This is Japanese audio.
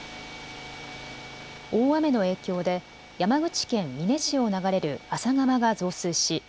大雨の影響で山口県美祢市を流れる厚狭川が増水し